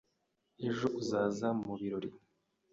Ejo uzaza mubirori?